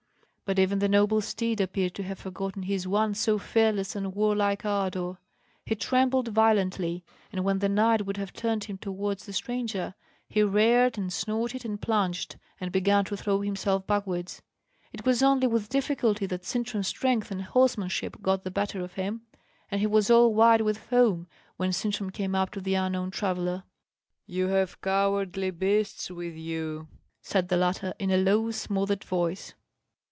But even the noble steed appeared to have forgotten his once so fearless and warlike ardour. He trembled violently, and when the knight would have turned him towards the stranger, he reared and snorted and plunged, and began to throw himself backwards. It was only with difficulty that Sintram's strength and horsemanship got the better of him; and he was all white with foam when Sintram came up to the unknown traveller. "You have cowardly beasts with you," said the latter, in a low, smothered voice.